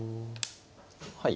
はい。